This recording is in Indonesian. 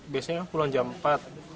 biasanya pulang jam empat